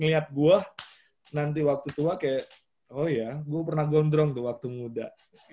ngeliat gua nanti waktu tua kayak oh iya gua pernah gondrong tuh waktu muda